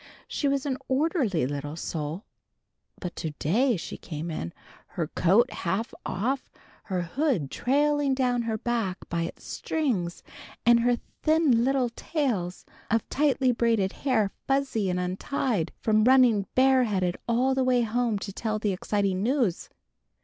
She was an orderly little soul. But to day she came in, her coat half off, her hood trailing down her back by its strings, and her thin little tails of tightly braided hair fuzzy and untied, from running bare headed all the way home to tell the exciting news.